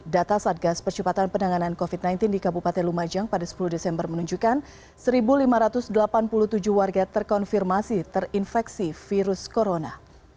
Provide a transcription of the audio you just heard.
data satgas percepatan penanganan covid sembilan belas di kabupaten lumajang pada sepuluh desember menunjukkan satu lima ratus delapan puluh tujuh warga terkonfirmasi terinfeksi virus corona